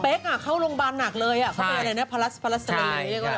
แป๊กเข้าโรงพยาบาลหนักเลยเข้าไปอะไรนะพารัสอะไรอย่างนี้